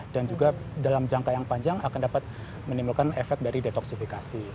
dan juga dalam jangka yang panjang akan dapat menimbulkan efek dari detoksifikasi